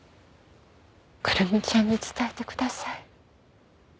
玖瑠美ちゃんに伝えてください。